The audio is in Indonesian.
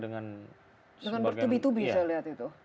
dengan bertubi tubi saya lihat itu